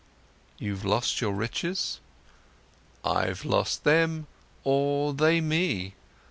"You've lost your riches?" "I've lost them or they me.